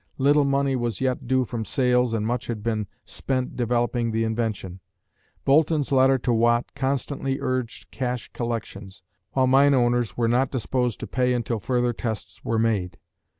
Little money was yet due from sales and much had been spent developing the invention. Boulton's letter to Watt constantly urged cash collections, while mine owners were not disposed to pay until further tests were made.